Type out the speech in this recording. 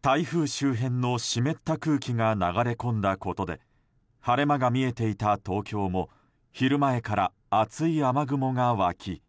台風周辺の湿った空気が流れ込んだことで晴れ間が見えていた東京も昼前から厚い雨雲が湧き。